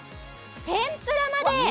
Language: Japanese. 天ぷらまで。